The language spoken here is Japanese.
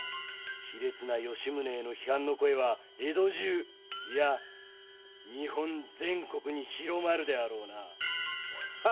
卑劣な吉宗への批判の声は江戸中いや日本全国に広まるであろうな。